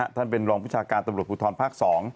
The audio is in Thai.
ท่านเป็นรองวิชาการตำรวจภูทรภาค๒